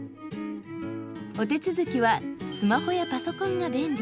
お手続きはスマホやパソコンが便利。